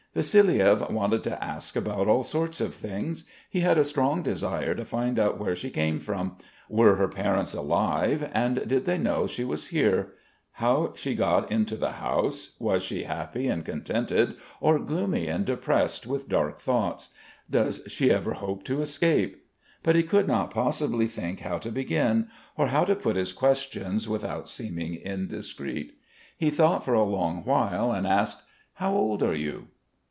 Vassiliev wanted to ask about all sorts of things. He had a strong desire to find out where she came from, were her parents alive, and did they know she was here; how she got into the house; was she happy and contented, or gloomy and depressed with dark thoughts. Does she ever hope to escape.... But he could not possibly think how to begin, or how to put his questions without seeming indiscreet. He thought for a long while and asked: "How old are you?"